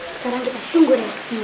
sekarang kita tunggu reaksi